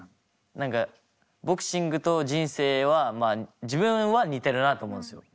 何かボクシングと人生は自分は似てるなと思うんですよ。